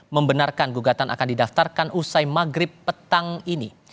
membenarkan gugatan akan didaftarkan usai maghrib petang ini